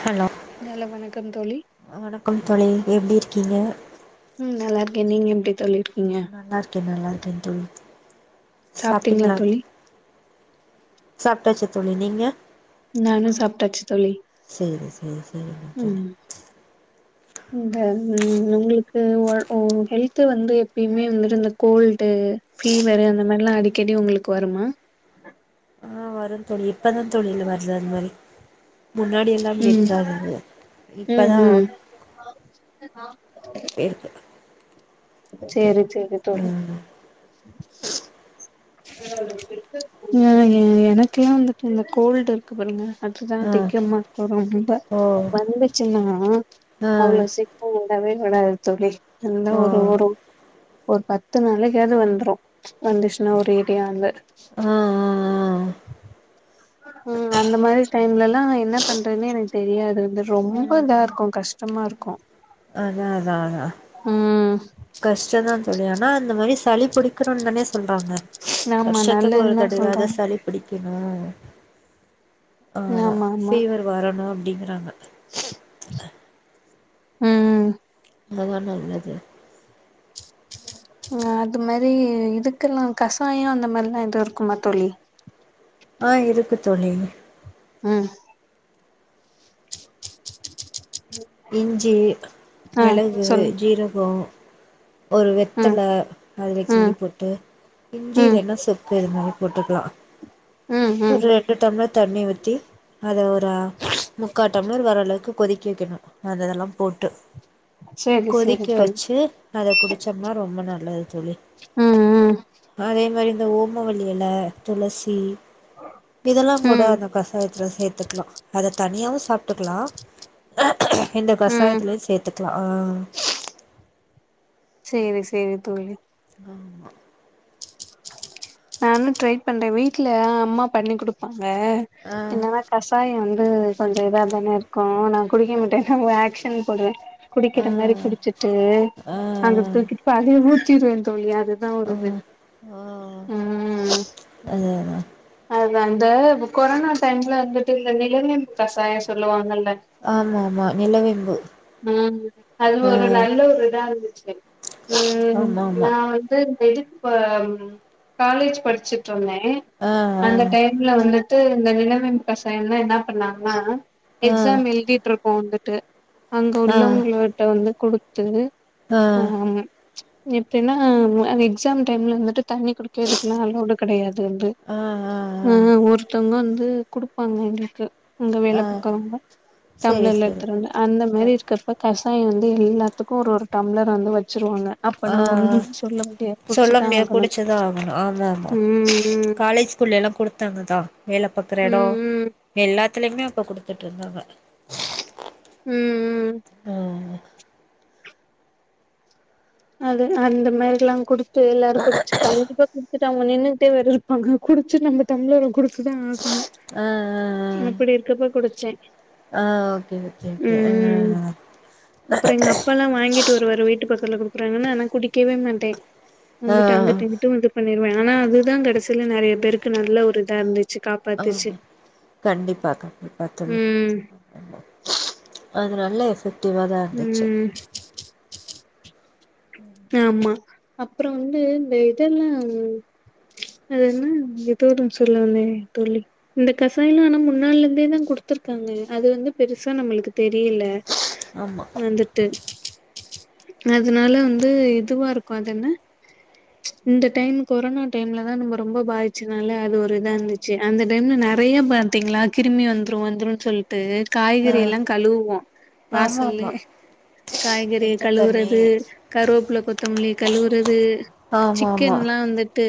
hello hello வணக்கம் தோழி வணக்கம் தோழி எப்டி இருக்கீங்க ம் நல்லா இருக்கே நீங்க எப்டி தோழி இருக்கீங்க நல்லா இருக்கே நல்லா இருக்கே தோழி சாப்ட்டீங்களா சாப்ட்டாச்சி தோழி நீங்க நானு சாப்ட்டாச்சி தோழி செரிங்க செரிங்க செரிங்க தோழி ம் இந்த ம் உங்களுக்கு ஒ உங் ஹெல்த்த வந்து எப்பயுமே வந்துட்டு இந்த கோல்டு பீவரு அந்த மாரிலா அடிக்கடி உங்களுக்கு வருமா ஆ வரும் தோழி இப்பதா தோழி இன்னும் வரல அந்த மாரி முன்னாடி எல்லா அப்டி ம் இருக்காது ம் இப்பதா ம் இருக்கு செரி செரி தோழி ம் ம் எனக்கு ஏன் வந்துட்டு இந்த கோல்டு க்கு பண்ணுங்க அது தா ஆ தெக்க அந்த மாரி பிராப்ளம் வந்தா ஓ வந்துச்சினா ஆ கோல்டு வந்தாவே எது பண்ணாத தோழி இன்னா ஓ ஒரு ஒரு ஒரு பத்து நாளைக்காவது வந்துரும் வந்துச்சின்னா ஒரேடியா வந்து ஆ ஆ ஆ ம் அந்த மாரி டைம்ல எல்லா என்ன பண்றதுன்னே எனக்கு தெரியாது அது ம் ரொம்ப இதா ம் இருக்கும் கஷ் டமா இருக்கும் அதா அதா அதா கஷ்டந்தா தோழி ஆனா இந்த மாரி சளி புடிக்கணும் தானே சொல்றாங்க ஆமா வருஷத்துக்கு ஒரு நல்லதுன்தா தடவயாது சொல்றாங்க சளி புடிக்கணும் ஆமா பீவர் வரணும் அப்டிங்கிறாங்க ம் அதுதான் நல்லது ஆ அது மாரி இதுக்கெல்லாம் கஷாயம் அந்த மாரிலாம் எதும் இருக்குமா தோழி ஆ இருக்கு தோழி ம் ம் இஞ்சி மிளகு சொல்லுங் ஜுரகம் ஒரு ம் வெத்தல அதுல ம் கிள்ளி போட் டு இஞ்சில ம் இல்லனா சுக்கு இது மாரி போட்டுக்கிலா ம் ம் ஒரு ரெண்டு டம்ளார் தண்ணி ஊத்தி அத ஒரு முக்காட்டம்ளர் வர அளவுக்கு கொதிக்க வைக்கணு அந்த இதெல்லா போட்டு சேரி சேரி கொதிக்க தோழி வச்சு அத குடிச்சோம்னா ரொம்ப நல்லது தோழி ம் ம் அதே மாரி இந்த ஓ ம வள்ளி எல தொளசி இதெல்லா கூட ம் அந்த கசாயத் சேத்துக்லா அத தனியாவு சாப்ட்டுக்லா இந்த ம் கசாயத்துலயு சேத்துக்லா அ சேரி சேரி தோழி அ நானு ட்ரை பண்றே வீட்ல அம்மா பண்ணி குடுப்பாங்க ஆ என்னன்னா கசாயோ வந்து கொஞ்சோ இதா தானே இருக்கு நா குடிக்க மாட்டேன்னா ஒரு ஆக்ஷன் போடுவே ஆ குடிக்கிற மாரி குடிச்சிட்டு ஆ அங்க தூக்கிட்டு போய் அதயு ஊத்திருவே தோழி அது அ அ அதேதா அ அந்த கொரோனா டைம்ல வந்துட்டு இந்த நில வேம்பு கசாயோ சொல்லுவாங்கல்ல ஆமா ஆமா நிலவேம்பு ம் அது ஆ ஒரு நல்ல ஒரு இதா இருந்துச்சு ம் ஆமா ஆமா நா து மெடு இப்ப காலேஜ் படிச்சிட்ருந்தே ஆ அந்த டைம் ல வந்துட்டு இந்த நில வேம்பு கசாயோம்னா என்ன பண்ணங்னா ஆ எக்ஸாம் எழுதிட்ருக் போந்துட்டு அங்க ஆ ஆ உள்ளவங்ளகிட்ட வந்து குடுத்து ஆ அ எப்டின்னா எக்ஸாம் டைம்ல வந்துட்டு தண்ணி குடி கேக்குக்லா அளௌடு கெடயாது வந்து ஆ ஆ ஆ அ ஒருத்தவங்க வந்து குடுப்பாங்க எங்ளுக்கு அங்க வேல ஆ பாக்ரவங்க டள்ர்ல சேரி சேரி எடுத்துட்டுவந்து அந்த மாரி ஆ இருக்றப்ப கசாயோ வந்து எல்லாத்துக்கு ஒரு ஒரு டம்ளர் வந்து வச்சுருவாங்க அப்ப ஆ நம்ம ஒண்ணுமே சொல்ல முடியாது சொல்ல முடியாது ஆகணு குடிச்சுதா ஆகணு ஆமா ஆமா ம் காலேஜ்குள்ளல்லா குடுத்தாங்கதா வேல ம் பாக்ற ம் எடோ ம் எல்லாத்துலியுமே அப்ப குடுத்துட்ருந்தாங்க ம் ம் ம் அதுதா அந்த மாரில்லா குடுத்து எல்லாரு குடிச்சி கண்டிப்பா கு டுத்துட்டு அவங்க நின்னுட்டே வேற இருப்பாங்க குடிச்சுட்டு நம்ம டம்ளர குடுத்துதா ஆகணு அ அப்டி இருக்கப்ப குடிச்சே ஆ ஓகே ஓகே ஓகே ஆ ம் அப்றோ எங்க அப்பால்லா வாங்கிட்டு வருவாரு வீட்டு பக்கத்துல குடுக்குறாங்கன்னு ஆனா குடிக்கவே மாட்டே ஆ வந்துட்டு அங்குட்டு இங்குட்டு வந்து பண்ணிருவே ஆனா அதுதா கடைசியில நறைய பேருக்கு நல்ல ஒரு இதா இருந்துச்சு ஆமா காப்பாத்துச்சு கண்டிப்பா கண்டிப்பா தோழி ம் அது நல்ல எஃபெக்டிவாதா இருந்துச்சு ம் ஆமா அப்றோ வந்து இந்த இதெல்லா அதனா ஏதோ ஒன்னு சொல்ல வந்தே தோழி இந்த கசாயலா ஆனா முன்னால இருந்தேதா குடுத்துருக்காங்க அது வந்து பெருசா நம்மளுக்கு தெரியில ஆமா வந்துட்டு அதனால வந்து இதுவா இருக்கு அது என்ன இந்த டைம் கொரோனா டைம்ல தா நம்ம ரொம்ப பாதிச்சதுனால அது ஒரு இதா இருந்துச்சு அந்த டைம்ல நறைய பாத் த்திங்ளா கிருமி வந்ரு வந்ருன் சொல்ட்டு ஆ காய்கறி எல்லா கழுவோ ஆமா வாசல்லு ஆமா காய்கறி மஞ்ச தண்ணி கழுவுறது கருவேப்ள்ள கொத்தமல்லி கழுவுறது ஆமா ஆமா சிக்கன்ல்லா வந்துட்டு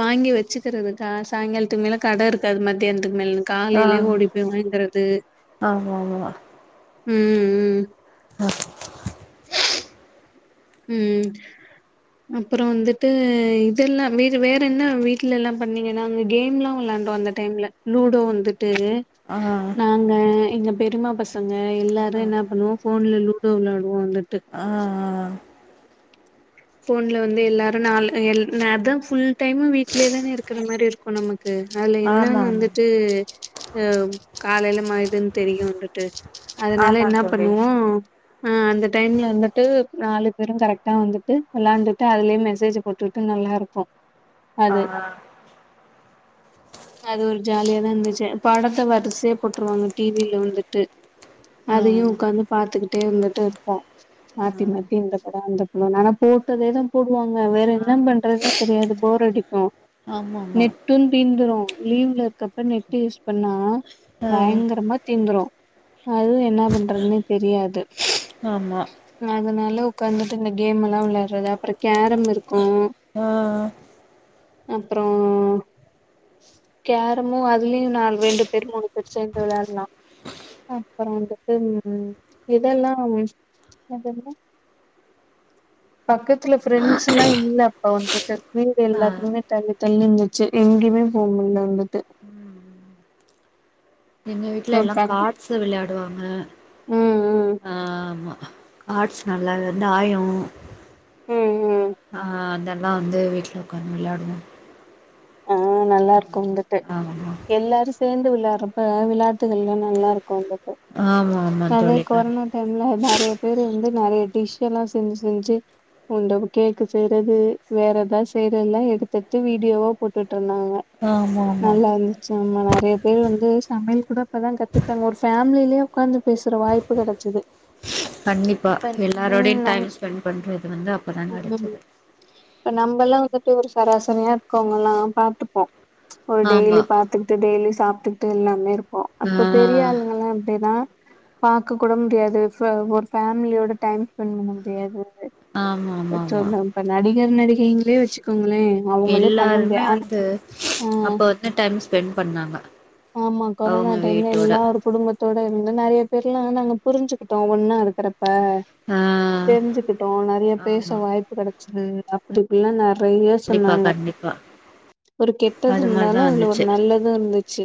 வாங்கி வச்சுக்கிறதுகா சாயங்காலத்துக்கு மேல கட இருக்காது மதியானத்துக்கு மேல ஆ காலைலே ஓடிப்போய் வாய்ங்கறது ஆமா ஆமா ம் ம் அ ம் அப்றோ வந்துட்டு இதுல்லா வேறு வேற என்ன வீட்லல்லா பண்ணீங்க நாங்க கேம்லா வெளையாண் டோ அந்த டைம்ல லூடோ வந்துட்டு ஆ அ நாங்க எங்க பெரிமா பசங்க எல்லாரு என்னா பண்ணுவோ ஃபோன்ல லூடோ வெளயாடுவோ வந்துட்டு ஆ ஆ ஃபோன்ல வந்து எல்லாரு நால் எல் நா அதா ஃபுல் டைமும் வீட்ல தானே இருக்குற மாரி இருக்கு நமக் கு அதுல ஆமா இன்னொன்னு ஆமா வந்துட்டு அவ் காலேல மாரிதா தெரியு வந்துட் டு அதனால ஆமா என்னா தோழி பண்ணுவோ ஆ அந்த டைம்ல வந்துட்டு நாலு பேரும் கரெக்டா வந்துட்டு வெளாண்ட்டுட்டு அதுலே மெசேஜ் போட்டுக்ட்டு நல்லா இருக்கு ஆ அது அது ஒரு ஜாலியாதா இருந்துச்சு படத்த வரிசையா போட்ருவாங்க டி வி ல வந்துட்டு அதயு ம் உக்காந்து பாத்துக்கிட்டு வந்துட்டு இருப்போ மாத்தி மாத்தி இந்த படொ அந்த படொனு ஆனா போட்டதே தா போடுவாங்க வேற ஆமா என்னா பண்றதுன்னே தெரியாது போரடிக்கு ஆமா ஆமா நெட்டும் தீந்துரு லீவ்ல இருக்கப்ப நெட்டு் யூஸ் பண்ணா ஆ பயங்கரமா தீந்துரு அது என்னா பண்றதுன்னே தெரியாது ஆமா அதனால உக்காந்துட்டு இந்த கேமெல்லா விளையாடறது அப்பறொ கேரம் இருக்கு ஆ அப்றோ கேரமு அதுலயு நாலு ரெண்டு பேரு மூணு பேரு சேந்து வெளயாட்லா அப்பறோ வந்துட்டு இதெல்லா அது என்ன பக்கத்துல ஃப்ரெண்ட்ஸ் எல்லா இல்ல அப்ப வந்துட்டு வீடு ஆ எல்லாத்துக்குமே தள்ளி தள்ளிருந்துச்சு எங்கேமே போ முல்ல வந்துட்டு எங்க ஒரு வீட்லெல்லா ஃபேக்ட் காட்ஸ் வெளாடுவாங்க ம் ம் ஆமா காட்ஸ் நல்லாதா தாயோ ம் ம் ஆ அதெல்லா வந்து வீட்ல ஒக்காந்து வெளாடுவோ ஆ நல்லா இருக்குந்த ஆமாமா எல்லாரு சேந்து விளையாடுறப்ப விளையாட்டுகள்ல்லா நல்லா இருக்கும் அந்த டு ஆமா ஆமா அதே தோழி கண் கொரோனா டைம்லா நெறைய பேரு வந்து நெறைய டிஷ்ஷல்லா செஞ்சு செஞ்சு ஒருடவங்க கேக்கு செய்யறது வேற எதாவ் செய்யறதுல்லா எடுத்தெடுத்து வீடியோவோ போட்டுட்ருந்தாங்க ஆமா ஆமா நல்லா இருந்து சு உண்ம நெறைய பேர் வந்து சமையல் கூட அப்பதா கத்துக்கிட்டாங்க ஒரு ஃபேமிலிலே உக்காந்து பேசுற வாய்ப்பு கெடச்சது கண்டிப்பா இப்ப எல்லாரோடயு ம் நம் டைம் ஸ்பெண்ட் பண்றது வந்து அப்போதா ம் கெடச்சுது இப்ப நம்பல்லா வந்துட்டு ஒரு சராசரியா இருக்கவங்கல்லா பாத்துப்போ ஒரு ஆமா டெய்லி பாத்துக்ட்டு டெய்லி சாப்ட்டுக்ட்டு எல்லாமே இருப்போ அப்போ ஆ பெரிய ஆளுங்கல்லா அப்டிதா பாக்க கூட முடியாது ஃபே ஒரு ஃபேமிலியோட டைம் ஸ்பெண்ட் பண்ண முடியாது ஆமா ஆமா பட் ஆமா சொன்ன இப்ப நடிகர் நடிகைங்களே வச்சுக்கோங்களே அவங்களே பண்ண முடியா எல்லாருமே வந்து ஆ அப்ப வந்து டைம் ஸ்பெண்ட் பண்ணாங்க ஆமா கொரோனா அவங்க டைம்ல வீட்டோட எல்லார் குடும்பத் கூட இருந்து நெறைய பேர்லா நாங்க புரிஞ்சுக்கிட்டோ ஒன்னா இருக்கிறப்ப ஆ தெரிஞ்சிக் கிட்டோ நெறைய ஆமா பேச வாய்ப்பு கெடைச்சது அப்டி இப்டில்லா நெறையா கண்டிப்பா சொன்னாங்க கண்டிப்பா ஒரு கெட்டது அது இருந்தாலு மாரிதா அதுல ஒரு வந்துச்சு நல்லது இருந்துச்சி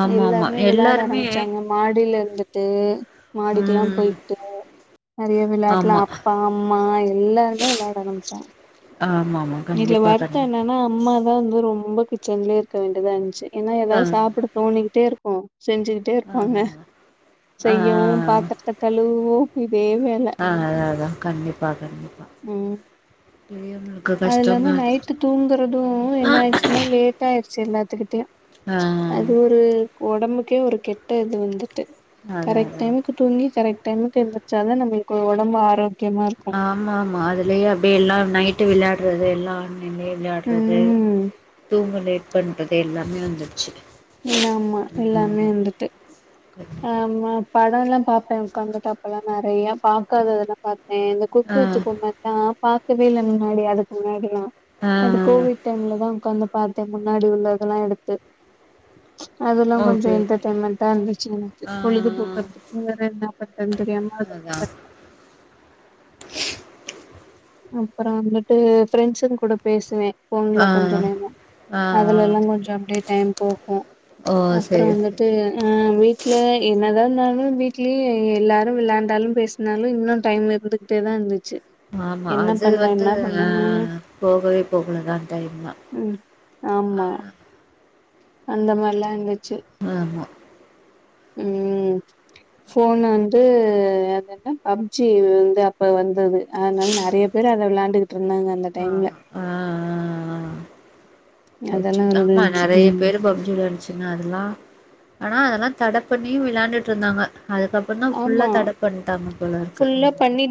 ஆமா ஆமா எல்லாருமே விளாட எல்லாருமே ஆரம்பிச்சாங்க மாடில இருந்துட்டு மாடிக்கெல்லா ம் போயிட்டோ நெறையா விளாட்டுலா ஆமா அப்பா அம்மா எல்லாருமே விளாட ஆரம்பிச்சாங்க ஆமா ஆமாங் இதுல வருத்தோ என்னன்னா அம்மாதா வந்து ரொம்ப கிச்சன்லயே இருக்க வேண்டியதா இருந்துச்சி ஏன்னா ஆ ஏதாவது சாப்ட தோணிக்கிட்டே இருக்கு செஞ்சிக்கிட்டே இருப்பாங்க அதாதா ஆ செய்யவு பாத்தரத்த கழுவவு இதே வேல ஆ அதா அதா கண்டிப்பா கண்டிப்பா ம் பெரியவங்களுக்கு அது இல்லாம கஷ்டந்தா அது நைட்டு தூங்குறது என்ன ஆயிர்ச்சின்னா லேட்டா ஆயிருச்சி எல்லாத்துக்கிட்டயு ஆ அது ஒரு ஒடம்புக்கே ஒரு கெட்ட இது வந்துட்டு அதா கரெக்ட் அதா டைமுக்கு தூங்கி கரெக்ட் டைமுக்கு எந்திரிச்சாதா நம்மளுக்கு ஒடம்பு ஆரோக்கியமா இருக்கு ஆமா ஆமா அதுலயே அப்டியே எல்லா நைட்டு விளையாட்றது எல்லா அண்ணிலயே விளையாட்றது ம் தூங்க லேட் பண்றது எல்லாமே வந்துருச்சி இல்லாமா எல்லாமே வந்துட்டு கண்டிப்பா ஆமா படோல்லா பாப்பே ஒக்காந்துட்டு அப்பல்லா நெறையா பாக்காத இதெல்லா பாத் ஆ இந்த ஆ குத்து வச்ச கும்பட்டா பாக்கவே இல்ல முன்னாடி அதுக்கு முன்னாடில்லா ஆ அது கோவிட் டைம்லதா உக்காந்து பாத்தே முன்னாடி உள்ளதெல்லா எடுத்து அதெல்லா கொஞ்சோ ஓகே ஓகே என்டர்டெயன்மெண்ட்டா இருந்துச்சி எனக்கு ஆ பொழுதுபோக்கறதுக்கு வேற என்ன பண்றதுன்னு தெரியாம அத அதா வைப்பே அப்பறோ வந்துட்டு ஃப்ரெண்ட்ஸுங்க கூட பேசுவே ஃபோன்ல ஆ கொஞ்ச நேரோ ஆ அதுல எல்லா ஆ கொஞ்சோ அப்டியே டைம் போகு ஓ அப்பறோ சேரி வந்துட் சேரி டு ஆ வீட்ல என்னதா இருந்தாலு வீட்லயே எல்லாரு விளையாண்டாலு பேசு னாலு இன்னு டைம் இருந்துகிட்டேதா இருந்துச்சி ஆமா அது வந்து ஆ ம் போகவே போகலதா டைம் ம் ஆமா அந்த மாரிலா இருந்துச்சி ஆமா ம் ஃபோன் வந்து அது என்ன பப்ஜி வந்து அப்ப வந்தது அதனால நெறையா பேரு அத விளாண்டுகிட்டு இருந்தாங்க அந்த ஆ டைம்ல ஆ ஆ போச்சு அதெல்லா ஆமா இருந்துச்சு நெறைய ம் பேரு பப்ஜி வந்ச்சி ஆனா அதெல்லா ஆனா அதெல்லா தட பண்ணியு விளாண்டுட்டு இருந்தாங்க அதுக்கப் இப்பன்னா ஃபுல்லா ஆமா தட பண்ட்டாங்க போல இருக்கு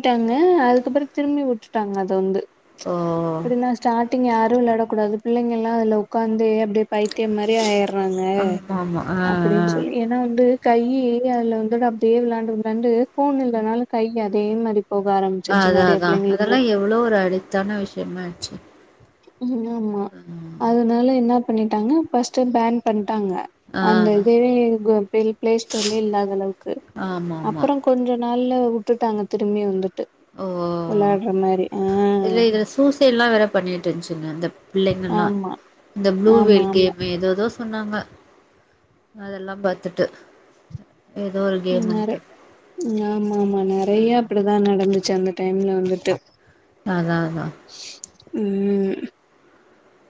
வுட்டாங்க அதுக்கப்றோ திரும்பி வுட்டுட்டாங்க அத வந்து ஓ எப்டின்னா ஸ்டார்டிங் யாரு விளையாடக் கூடாது பிள்ளைங்கல்லா அதுல உக்காந்து அப்டியே பை த்தியோ மாரி ஆயர்றாங்க ஆமா ஆமா ஆ ஆ ஆ அப்டின்னு சொல்லி ஏன்னா வந்து கை அதுல வந்தது அப்டியே விளாண்டு விளாண்டு ஃபோன் இல்லனால கை அதே மாரி போக ஆரம் ஆ அதா அதா அதெல்லா எவ்ளோ ஒரு அடிக்டான விஷயமாயிடுச்சி ம் ஆமா அதனால என்ன பண்ணிட்டாங்க ஃபர்ஸ்ட்டு பேன் பண்ட்டாங்க ஆ அந்த இதவே இருகோ பெ ப்ளே ஸ்டோர்லே இல்லாத அளவுக்கு ஆமா ஆமா அப்பறோ கொஞ்ச நாள்ல உட்டுட்டாங்க திரும்பியு வந்துட்டு ஓ விளாட்ற மாரி ஆ இல்ல இதுல சூசைட்லா வேற பண்ணிட்ருந்ச்சுங்க இந்த பிள்ளைங்கல்லா ஆமா இந்த ஆமா ப்ளூவேல் ஆமா கேம் மு ஏதோதோ சொன்னாங்க அதெல்லா பாத்துட்டு எதோ ஒரு கேமுன்ட்டு ஆமாமா ஆ நெறைய அப்பிடிதா நடந்துச்சு அந்த டைம்ல வந்துட்டு அதா அதா ம்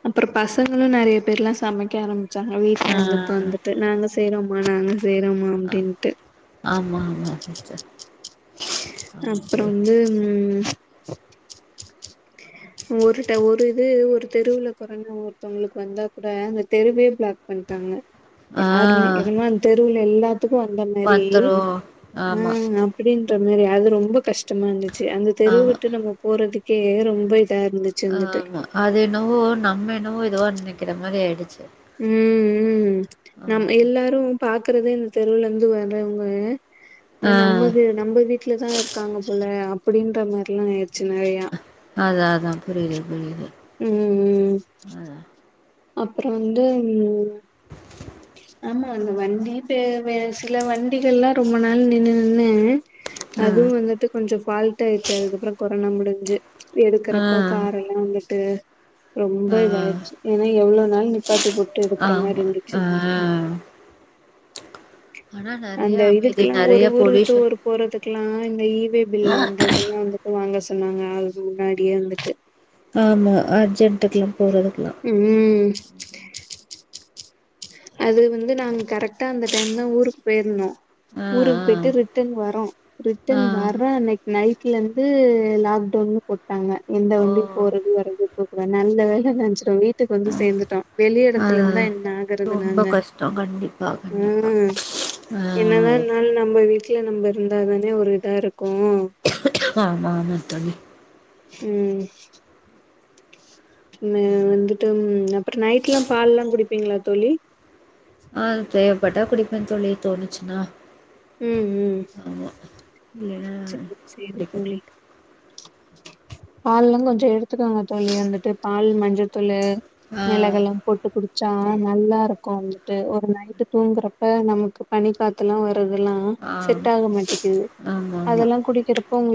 அப்றோ பசங்களு நெறைய பேர்லா சமைக்க ஆரம்மிச்சாங்க வீட்ல ஆ இருந்தப்ப வந்து ட்டு நாங்க செய்றோமா நாங்க செய்றோமா அப்டின்ட்டு ஆமா ஆமா சிஸ்டர் ஆமாங் அப்றொ தோழி வந்து ம் ஒருட்ட ஒரு இது ஒரு தெருவுல கொரனா ஒருத்தவுங்களுக்கு வந்தா கூட அந்த தெருவே பிளாக் பண்ட்டாங்க ஆ யாருமே என்னமோ அந் தெருவுல எல்லாத்துக்கு வந்த மாரி வந்துரு ஆ‌ ஆமா அ ப்பிடின்ற மாரி அது ரொம்ப கஷ்டமா இருந்துச்சு அந்த தெரு ஆமா விட்டு நம்ம போறதுக் கே ரொம்ப இதா இருந்துச்சு வந்துட்டு ஆமா அது என்னவோ நம்ம என்னவோ இதுவா நெனைக்கிற மாரி ஆயிடுச்சு ம் ம் ம் நம் எல்லாரு பாக்குறதே இந்த தெருவுலந்து வர்றவங்க அ ஆ நம்மது நம்ப வீட்லதா இருக்காங்க போல அப்பிடின்ற மார்லா ஆயிடுச்சு நெறையா அதா அதா புரியிது புரியிது ம் அப்றொ வந்து ம் ஆமா அந்த வண்டி பே வே சில வண்டிகள்லா ரொம்ப நாள் நின்னு நின்னு அதுவு வந்துட்டு கொஞ்சொ ஃபால்ட் ஆயிட்ச்சு அதுக்கப்றோ கொரொனா முடிஞ்சு ஆ எடுக்குறப்ப கார் ஆ எல்லா வந்துட்டு ரொம்ப ஆ இதாயிருச்சு ஏனா எவ்ளோ நாள் நிப்பாட்டி போட்டு எடுக்ற மாரி ஆமா இருந்துச்சு ஆ ஆனா நெறைய அந்த அமைதி இதுக்குலா ஒரு நெறைய ஊரு விட்டு பொல்யூஷன் ஒரு போறதுக்குல்லா இந்த ஈவே பில் அந்த இதெல்லா வந்துட்டு வாங்க சொன்னாங்க ஆளுக முன்னாடியே வந்துட்டு ஆமா அர்ஜென்ட்க்குல்லா போறதுக்குல்லா ம் அது வந்து நாங்க கரெக்டா அந்த டைம் தா ஊருக் போயிருந்தோ ஆ ஊருக் போயிட்டு ரிட்டன் வரோ ஆ ஆ ரிட்டர்ன் வர்ற அன்னைக் நைட்லந்து லாக்டவுன்னு போட்டாங்க எந்த ஓ வண்டி போறது வரது க்கு நல்ல வேள நென்ச்சிட்டோ வீட்டுக்கு வந்து சேந்துட்டோ வெளி எடத்துல அதா இந்தா என்ன ஆ குறது ரொம்ப நாங்க கஷ்டோ கண்டிப்பா கண்டிப்பா ம் ஆ என்னதா இருந்தாலு நம்ம வீ ட்ல நம்ம இருந்தா தானே ஒரு இதா இருக்கு ஆமா ஆமா தோழி ம் ந வந்துட்டு அப்ற நைட்லா பால்லா குடிப்பீங்களா தோழி ஆ தேவபட்டா குடிப்பெ தோழி தோனச்சுன்னா ம் ம் இல்லன்னா செ சேரி கிடைக்காது தோழி பால்லா கொஞ்ச எடுத்துக்கங்க தோழி வந்துட்டு பால் மஞ்சத்தூளு ஆ மெளகெல்லா போட்டு குடிச்சா நல்லாருக்கு வந்துட்டு ஒரு நைட்டு தூங்குறப் இப்ப நமக்கு பனி காத்துலா வர்றதுல்லா ஆ செட் ஆக மாட்டிக்கிது ஆமா ஆமா அதெல்லா குடிக்கிறப்போ உங்களுக்